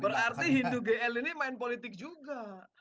berarti hindu gl ini main politik juga